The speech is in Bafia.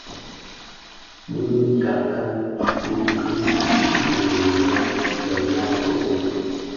Bi nkankan wu ngris dhi be ya nkuekuel.